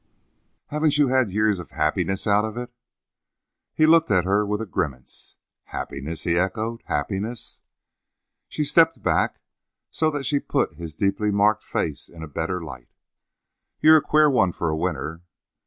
"Haven't you had years of happiness out of it?" He looked at her with a grimace. "Happiness?" he echoed. "Happiness?" She stepped back so that she put his deeply marked face in a better light. "You're a queer one for a winner."